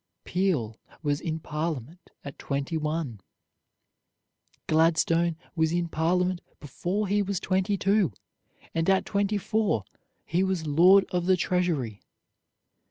Peel was in Parliament at twenty one. Gladstone was in Parliament before he was twenty two, and at twenty four he was Lord of the Treasury.